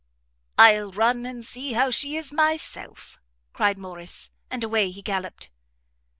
"I'll run and see how she is myself," cried Morrice, and away he gallopped.